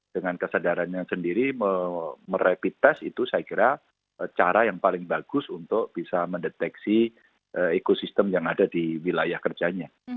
dengan kesadarannya sendiri merapi tes itu saya kira cara yang paling bagus untuk bisa mendeteksi ekosistem yang ada di wilayah kerjanya